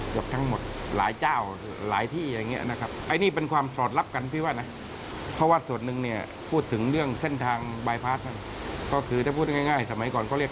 ทั้งหมดหลายเจ้าหลายที่อย่างนี้นะครับ